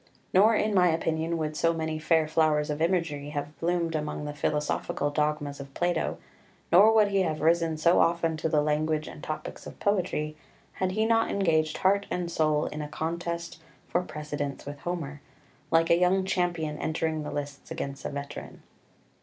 Nor in my opinion would so many fair flowers of imagery have bloomed among the philosophical dogmas of Plato, nor would he have risen so often to the language and topics of poetry, had he not engaged heart and soul in a contest for precedence with Homer, like a young champion entering the lists against a veteran.